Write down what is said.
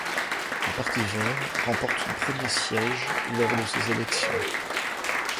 Le Parti vert remporte son premier siège lors de ces élections.